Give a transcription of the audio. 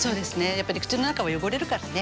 やっぱり口の中は汚れるからね。